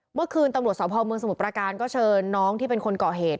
เมื่อคืนตำรวจสพเมืองสมุทรประการก็เชิญน้องที่เป็นคนก่อเหตุ